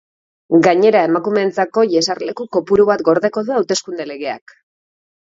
Gainera, emakumeentzako jesarleku kopuru bat gordeko du hauteskunde legeak.